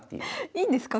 いいんですか？